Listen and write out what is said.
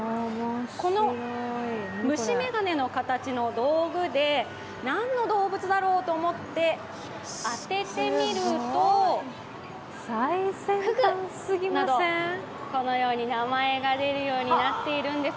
この虫眼鏡の形の道具でなんの動物だろうと思って当てて見るとフグなど、このように名前が出るようになっているんです。